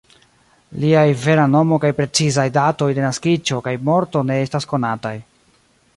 Liaj vera nomo kaj precizaj datoj de naskiĝo kaj morto ne estas konataj.